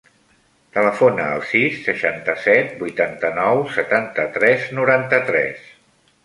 Telefona al sis, seixanta-set, vuitanta-nou, setanta-tres, noranta-tres.